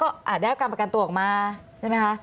เพราะได้ประกันตัวออกมาใช่ไหมคะ